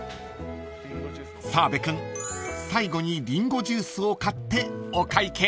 ［澤部君最後にりんごジュースを買ってお会計］